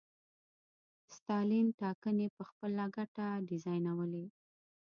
ستالین ټاکنې په خپله ګټه ډیزاینولې.